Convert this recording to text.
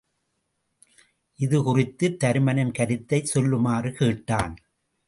இது குறித்துத் தருமனின் கருத்தைச் சொல்லுமாறு கேட்டான்.